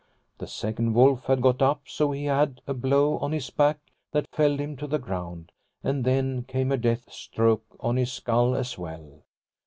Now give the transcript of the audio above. The second wolf had got up, so he had a blow on his back that felled him to the ground, and then came a death stroke on his skull as well.